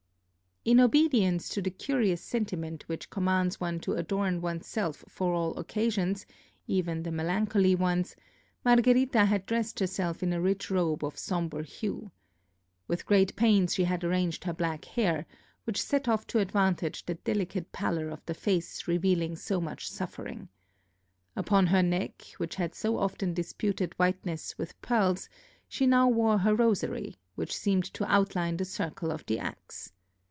In obedience to the curious sentiment which commands one to adorn one's self for all occasions, even the melancholy ones, Margherita had dressed herself in a rich robe of sombre hue. With great pains she had arranged her black hair, which set off to advantage the delicate pallor of the face revealing so much suffering. Upon her neck, which had so often disputed whiteness with pearls, she now wore her rosary, which seemed to outline the circle of the axe.